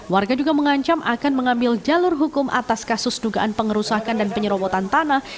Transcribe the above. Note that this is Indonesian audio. warga juga mengancam akan mengambil jalur hukum atas kasus dugaan pengerusakan dan penyerobotan tanah